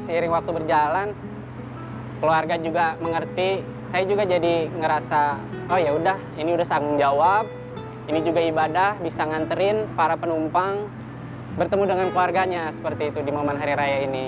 seiring waktu berjalan keluarga juga mengerti saya juga jadi ngerasa oh yaudah ini udah tanggung jawab ini juga ibadah bisa nganterin para penumpang bertemu dengan keluarganya seperti itu di momen hari raya ini